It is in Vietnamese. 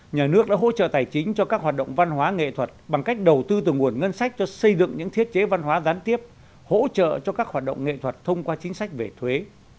nhà nước đã hỗ trợ tài chính cho các hoạt động văn hóa nghệ thuật bằng cách đầu tư từ nguồn ngân sách cho xây dựng những thiết chế văn hóa gián tiếp hỗ trợ cho các hoạt động nghệ thuật thông qua chính sách về thuế